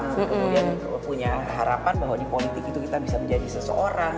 kemudian punya harapan bahwa di politik itu kita bisa menjadi seseorang